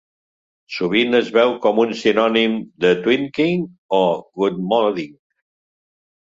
Sovint es veu com un sinònim de "twinking" o "godmoding".